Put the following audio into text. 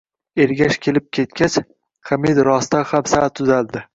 Ergash kelib ketgach Hamid rostdan ham sal tuzaldi